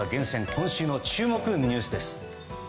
今週の注目ニュースです。